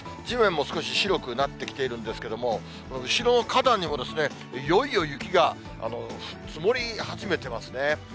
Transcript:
地面も少し白くなってきているんですけれども、後ろの花壇にも、いよいよ雪が積もり始めてますね。